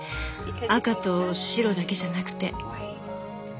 赤と白だけじゃなくて。